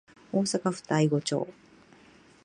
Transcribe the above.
大阪府太子町